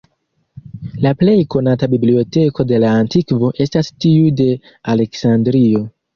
La plej konata biblioteko de la antikvo estas tiu de Aleksandrio.